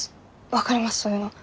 分かりますそういうの。